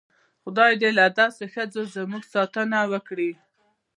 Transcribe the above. خدای دې له داسې ښځو زموږ ساتنه وکړي.